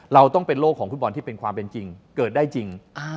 เราต้องเป็นโลกของฟุตบอลที่เป็นความเป็นจริงเกิดได้จริง